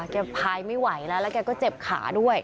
พายไม่ไหวแล้วแล้วแกก็เจ็บขาด้วย